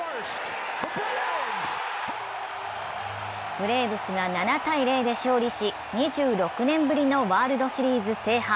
ブレーブスが７−０で勝利し、２６年ぶりのワールドシリーズ制覇。